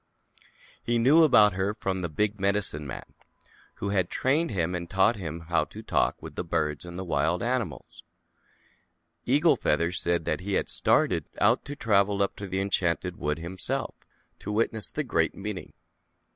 He knew ZAUBERLINDA, THE WISE WITCH. 205 about her from the Big Medicine Man, who had trained him, and taught him how to talk with the birds and wild ani mals. Eagle Feather said he had started out to travel up to the Enchanted Wood himself to witness the Great Meeting.